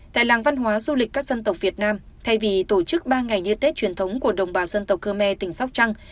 tại làng văn hóa du lịch các dân tộc việt nam thay vì tổ chức ba ngày như tết truyền thống của đồng bào dân tộc khơ me tỉnh sóc trăng